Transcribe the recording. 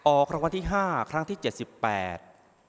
ออกคำวัติห้าครั้งที่เจ็ดสิบแปด